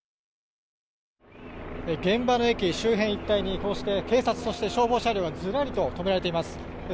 現場の駅周辺一帯にこうして、警察そして消防車両がずらりと止められています。